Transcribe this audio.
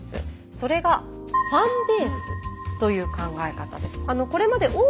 それが「ファンベース」という考え方です。